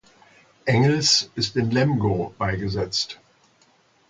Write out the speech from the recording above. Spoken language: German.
Engels ist in Lemgo beigesetzt.